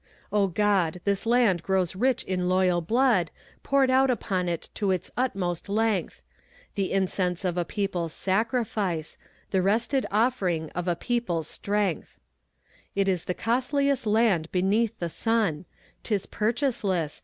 O God! this land grows rich in loyal blood Poured out upon it to its utmost length! The incense of a people's sacrifice The wrested offering of a people's strength. It is the costliest land beneath the sun! 'Tis purchaseless!